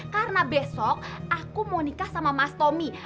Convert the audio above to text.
karena besok aku mau nikah sama mas tommy